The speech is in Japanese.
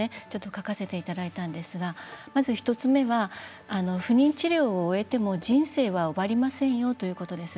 書かせていただいたんですが１つ目は不妊治療を終えても人生は終わりませんよということです。